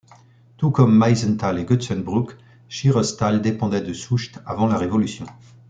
Tout comme Meisenthal et Goetzenbruck, Schieresthal dépendait de Soucht avant la Révolution.